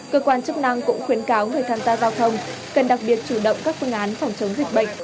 cơ quan chức năng cũng khuyến cáo người tham gia giao thông cần đặc biệt chủ động các phương án phòng chống dịch bệnh